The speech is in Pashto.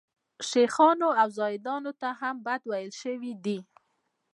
شیخانو او زاهدانو ته هم بد ویل شوي دي.